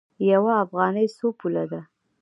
یوه افغانۍ څو پوله ده؟